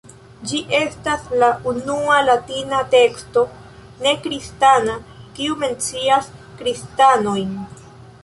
Ĝi estas la unua Latina teksto ne-kristana, kiu mencias kristanojn.